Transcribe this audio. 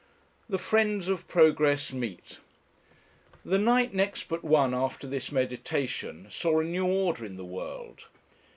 THE FRIENDS OF PROGRESS MEET. The night next but one after this meditation saw a new order in the world.